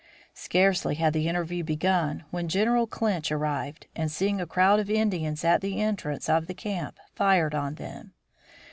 Scarcely had the interview begun when General Clinch arrived and seeing a crowd of Indians at the entrance of the camp fired on them.